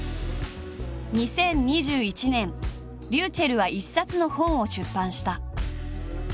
２０２１年ｒｙｕｃｈｅｌｌは一冊の本を出版した。